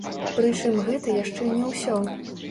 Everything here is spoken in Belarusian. Прычым гэта яшчэ не ўсё.